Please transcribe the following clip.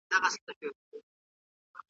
پاراسټامول او ایبوپروفین د کنټرول برخه دي.